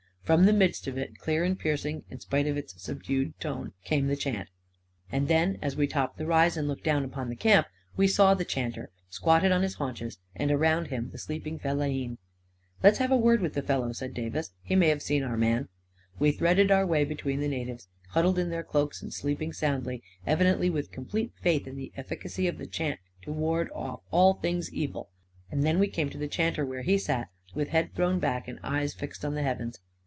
From the midst of it, clear and piercing in spite of its subdued tone, came the chant. And then, as we topped the rise and looked down upon the camp, we saw the chanter, squatted on his haunches, and around him the sleeping fellahin. " Let's have a word with the fellow," said Davis. 11 He may have seen our man." We threaded our way between the natives, huddled in their cloaks and sleeping soundly, evi dently with complete faith in the efficacy of the chant to ward off all things evil ; and then we came to the chanter where he sat, with head thrown back and eyes fixed on the heavens